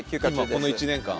この１年間。